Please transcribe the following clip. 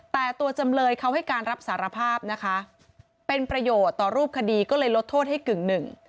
แต่ตัวจำเลยเขาให้การรับสารภาพนะคะเป็นประโยชน์ต่อรูปคดีก็เลยลดโทษให้กึ่งหนึ่ง